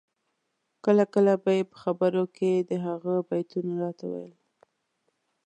کله کله به یې په خبرو کي د هغه بیتونه راته ویل